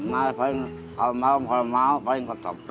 malam kalau mau kalau mau paling kotor